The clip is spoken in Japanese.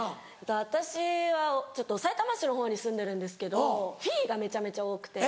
私はさいたま市のほうに住んでるんですけどふぃーがめちゃめちゃ多くて。